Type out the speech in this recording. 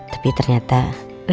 tapi ternyata rasanya beda